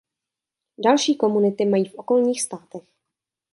Další komunity mají v okolních státech.